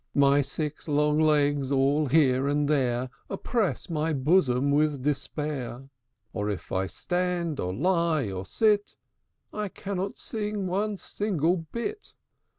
My six long legs, all here and there, Oppress my bosom with despair; And, if I stand or lie or sit, I cannot sing one single bit!"